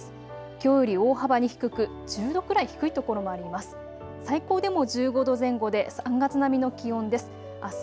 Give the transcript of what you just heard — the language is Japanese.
きょうより大幅に低く１０度くらい低い所もあります。